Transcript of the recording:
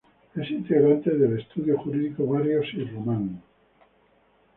Es integrante del Estudio Jurídico Barrios y Román.